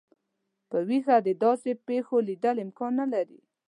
په ویښه د داسي پیښو لیدل امکان نه لري.